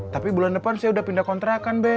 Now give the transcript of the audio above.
tapi bulan depan saya udah pindah kontrakan be